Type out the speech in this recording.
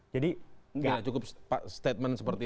jadi tidak cukup statement seperti itu